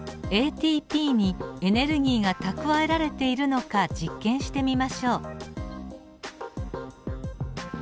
ＡＴＰにエネルギーが蓄えられているのか実験してみましょう。